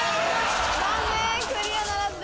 残念クリアならずです。